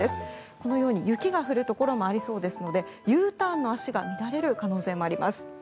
このように雪が降るところもありそうですのでＵターンの足が乱れる可能性もあります。